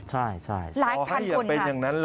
ใช่ค่ะอย่าเป็นอย่างนั้นเลยหลายพันคนนะฮะ